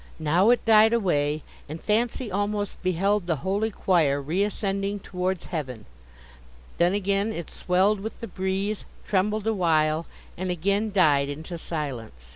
Now it died away, and fancy almost beheld the holy choir reascending towards heaven; then again it swelled with the breeze, trembled awhile, and again died into silence.